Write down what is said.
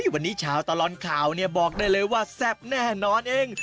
วันนี้ชาวตลอดข่าวเนี่ยบอกได้เลยว่าแซ่บแน่นอนเอง